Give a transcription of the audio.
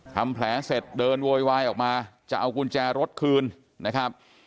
ทำแผลเสร็จเดินโวยวายออกมาจะเอากุญแจรถคืนนะครับ